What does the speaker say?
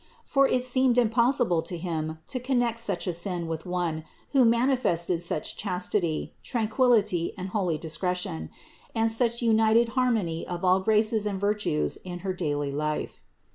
For it seemed impossible to him to connect such a sin with One who manifested such chastity, tranquillity and holy discretion, and such united harmony of all graces and virtues in her daily life.